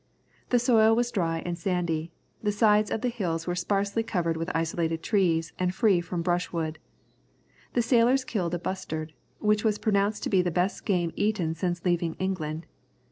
The soil was dry and sandy, the sides of the hills were sparsely covered with isolated trees and free from brush wood. The sailors killed a bustard, which was pronounced to be the best game eaten since leaving England.